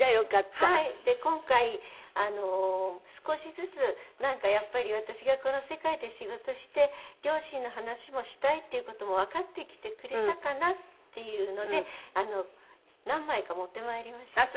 今回少しずつなんかやっぱり私がこの世界で仕事して両親の話もしたいっていう事もわかってきてくれたかなっていうので何枚か持ってまいりました。